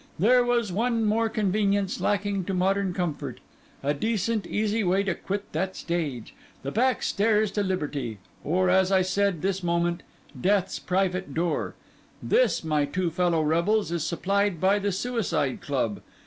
There was one more convenience lacking to modern comfort; a decent, easy way to quit that stage; the back stairs to liberty; or, as I said this moment, Death's private door. This, my two fellow rebels, is supplied by the Suicide Club.